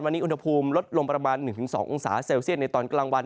วันนี้อุณหภูมิลดลงประมาณ๑๒องศาเซลเซียตในตอนกลางวัน